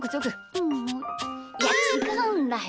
うん。いやちがうんだよ！